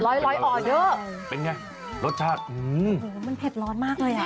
ร้อยร้อยอ่อเยอะเป็นไงรสชาติมันเผ็ดร้อนมากเลยอ่ะ